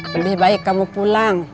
lebih baik kamu pulang